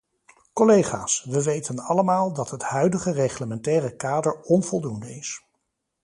Collega's, we weten allemaal dat het huidige reglementaire kader onvoldoende is.